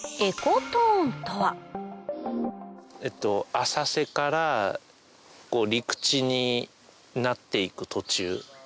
浅瀬から陸地になっていく途中ですね。